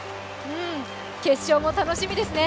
決勝も楽しみですね。